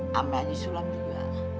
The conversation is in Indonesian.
sama haji sulam juga